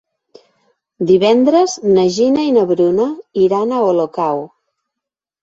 Divendres na Gina i na Bruna iran a Olocau.